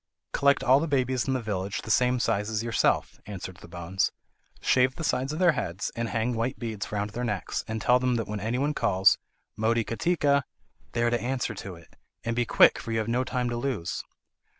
"Collect all the babies in the village the same size as yourself," answered the bones; "shave the sides of their heads, and hang white beads round their necks, and tell them that when anybody calls 'Motikatika,' they are to answer to it. And be quick for you have no time to lose."